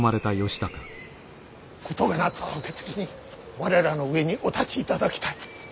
事がなった暁に我らの上にお立ちいただきたい。